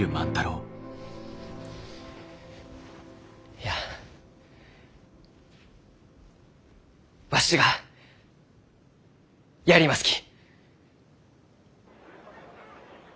いやわしはやりますき。